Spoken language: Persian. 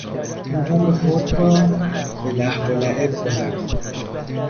او عمر خود را به لهوولعب گذراند.